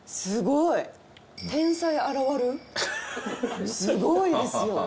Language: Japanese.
すごいですよ。